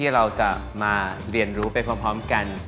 เราจะมาเรียนรู้ไปพร้อมกัน